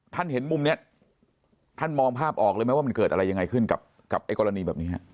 ท่านเย็นมุมนี้ท่านมองภาพออกมันเกิดอะไรยังไงกับกรณีแบบนี้